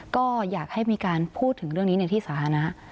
ก็อยากให้มีการพูดถึงเรื่องนี้ในที่สาธารณะ